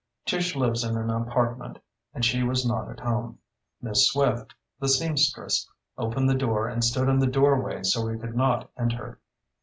Tish lives in an apartment, and she was not at home. Miss Swift, the seamstress, opened the door and stood in the doorway so we could not enter.